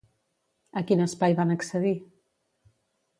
A quin espai van accedir?